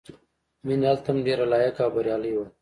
مینه هلته هم ډېره لایقه او بریالۍ وه